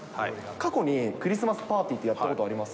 過去にクリスマスパーティーってやったことあります？